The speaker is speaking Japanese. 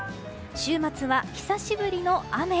週末は久しぶりの雨。